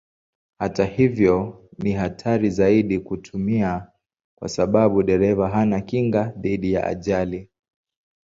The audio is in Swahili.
Hata hivyo ni hatari zaidi kuitumia kwa sababu dereva hana kinga dhidi ya ajali.